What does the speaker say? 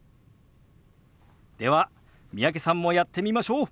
では三宅さんもやってみましょう。